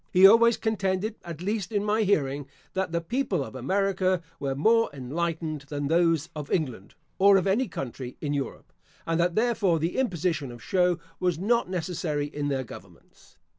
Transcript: He always contended, at least in my hearing, that the people of America were more enlightened than those of England, or of any country in Europe; and that therefore the imposition of show was not necessary in their governments.